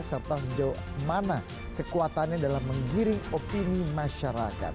serta sejauh mana kekuatannya dalam menggiring opini masyarakat